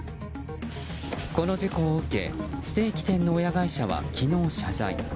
この事故を受けステーキ店の親会社は昨日謝罪。